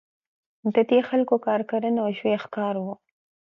د دې خلکو کار کرنه او ژویو ښکار وو.